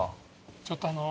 ちょっとあの。